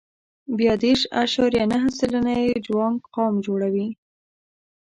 بیا دېرش اعشاریه نهه سلنه یې جوانګ قوم جوړوي.